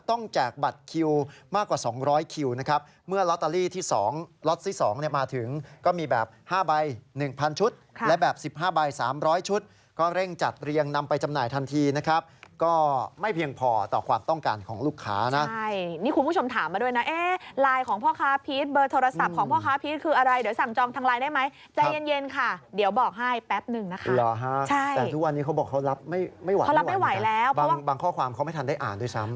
ต้องแจกบัตรคิวมากกว่า๒๐๐คิวเมื่อล็อตตาลีล็อตที่๒มาถึงก็มีแบบ๕ใบ๑๐๐๐ชุดและแบบ๑๕ใบ๓๐๐ชุดก็เร่งจัดเรียงนำไปจำหน่ายทันทีก็ไม่เพียงพอต่อความต้องการของลูกค้าใช่นี่คุณผู้ชมถามมาด้วยนะไลน์ของพ่อคราวพีชเบอร์โทรศัพท์ของพ่อคราวพีชคืออะไรเดี๋ยวสั่งจองทางไลน์ได้ไหมใจ